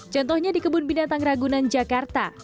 contohnya di kebun binatang ragunan jakarta